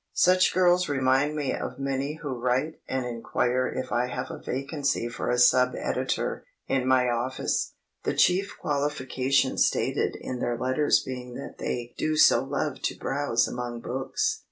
Such girls remind me of many who write and inquire if I have a vacancy for a sub editor in my office, the chief qualification stated in their letters being that they "do so love to browse among books."